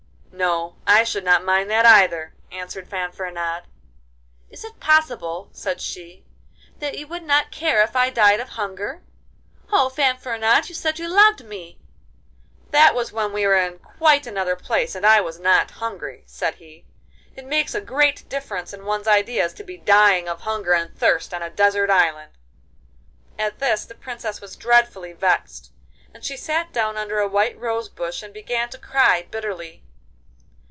'No, I should not mind that either,' answered Fanfaronade. 'Is it possible,' said she, 'that you would not care if I died of hunger? Oh, Fanfaronade, you said you loved me!' 'That was when we were in quite another place and I was not hungry,' said he. 'It makes a great difference in one's ideas to be dying of hunger and thirst on a desert island.' At this the Princess was dreadfully vexed, and she sat down under a white rose bush and began to cry bitterly.